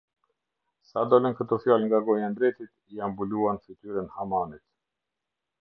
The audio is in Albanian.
Sa dolën këto fjalë nga goja e mbretit, ia mbuluan fytyrën Hamanit.